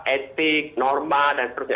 etik norma dan sebagainya